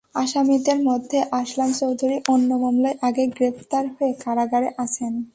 আসামিদের মধ্যে আসলাম চৌধুরী অন্য মামলায় আগেই গ্রেপ্তার হয়ে কারাগারে আছেন।